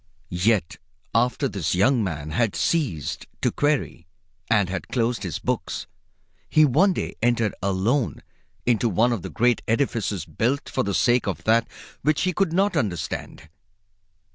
Yet after this young man had ceased to query and had closed his books, he one day entered alone into one of the great edifices built for the sake of that which he could not understand.